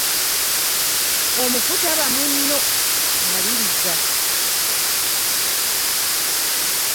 Omufu taba munno, Maliriza.